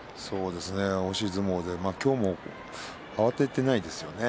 押し相撲で今日も慌てていないですよね。